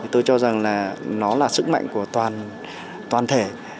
tôi cho rằng là nó là sức mạnh của toàn thể